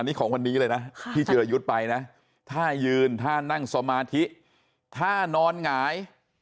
นี่ของวันนี้เลยนะที่จิรยุทธ์ไปนะถ้ายืนถ้านั่งสมาธิถ้านอนหงาย